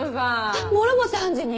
えっ諸星判事に！？